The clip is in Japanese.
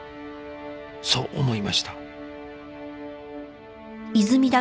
そう思いました